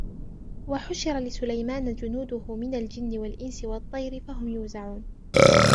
وَحُشِرَ لِسُلَيْمَانَ جُنُودُهُ مِنَ الْجِنِّ وَالْإِنْسِ وَالطَّيْرِ فَهُمْ يُوزَعُونَ